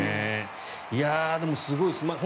でもすごいです。